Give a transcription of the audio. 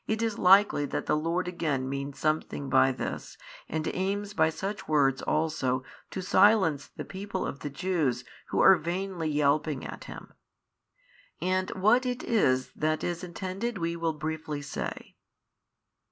It is likely that the Lord again means something by this and aims by such words also to silence the people of the Jews who are vainly yelping at Him. And what it is that is intended we will briefly say.